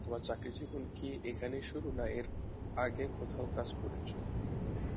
তোমার চাকরিজীবন কি এখানেই শুরু, না এর আগে কোথাও কাজ করেছ?